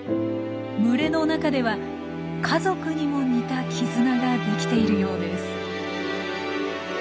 群れの中では家族にも似た絆ができているようです。